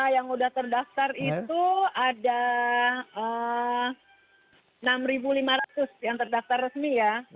yang sudah terdaftar itu ada enam lima ratus yang terdaftar resmi ya